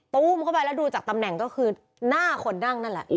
ตู้มเข้าไปแล้วดูจากตำแหน่งก็คือหน้าคนนั่งนั่นแหละ